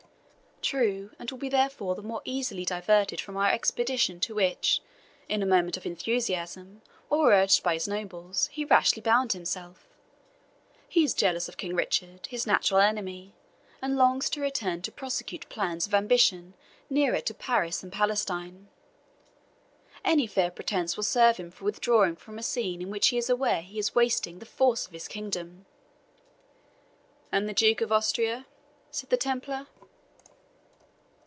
"True, and will be therefore the more easily diverted from an expedition to which, in a moment of enthusiasm, or urged by his nobles, he rashly bound himself. He is jealous of King Richard, his natural enemy, and longs to return to prosecute plans of ambition nearer to Paris than Palestine. Any fair pretence will serve him for withdrawing from a scene in which he is aware he is wasting the force of his kingdom." "And the Duke of Austria?" said the Templar.